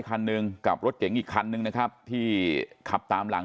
คันหนึ่งกับรถเก๋งอีกคันนึงนะครับที่ขับตามหลัง